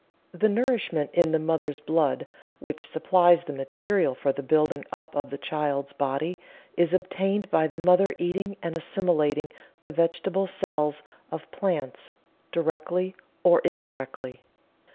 The nourishment in the mother's blood, which supplies the material for the building up of the child's body, is obtained by the mother eating and assimilating the vegetable cells of plants, directly or indirectly.